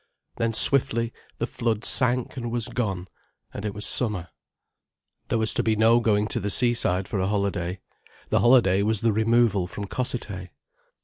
Then swiftly the flood sank and was gone, and it was summer. There was to be no going to the seaside for a holiday. The holiday was the removal from Cossethay.